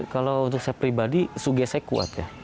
kalau untuk saya pribadi suge saya kuat ya